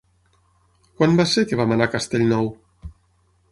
Quan va ser que vam anar a Castellnou?